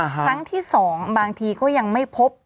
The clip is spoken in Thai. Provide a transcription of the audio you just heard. ครั้งที่๒บางทีก็ยังไม่พบ